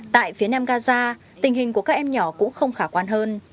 tại phía nam gaza tình hình của các em nhỏ cũng không khả quan hơn